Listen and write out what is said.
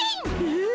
え！